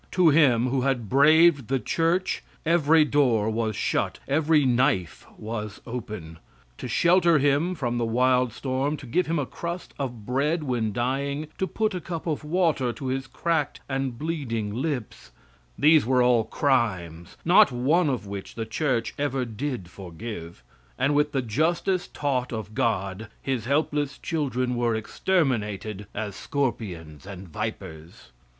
To him, who had braved the church, every door was shut, every knife was open. To shelter him from the wild storm, to give him a crust of bread when dying, to put a cup of water to his cracked and bleeding lips; these were all crimes, not one of which the church ever did forgive; and with the justice taught of God his helpless children were exterminated as scorpions and vipers.